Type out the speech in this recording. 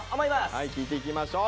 はい聞いていきましょう。